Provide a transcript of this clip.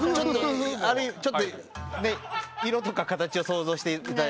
ちょっと色とか形を想像していただいて。